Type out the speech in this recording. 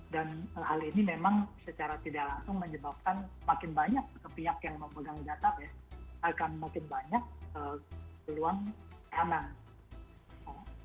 dan hal ini memang secara tidak langsung menyebabkan makin banyak kepihak yang memegang data akan makin banyak keluangan keamanan